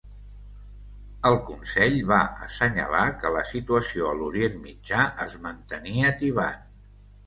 El Consell va assenyalar que la situació a l'Orient Mitjà es mantenia tibant.